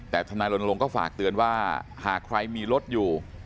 แต่ทนายรณรงค์ก็ฝากเตือนว่าหากใครมีรถอยู่